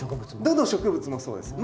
どの植物もそうです。